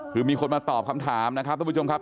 คือมีคนมาตอบคำถามนะครับทุกผู้ชมครับ